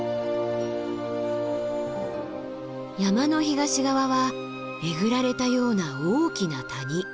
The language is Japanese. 山の東側はえぐられたような大きな谷。